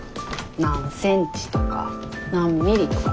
何センチとか何ミリとか。